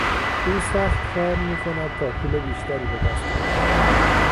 او سخت کار میکند تا پول بیشتری به دست آورد.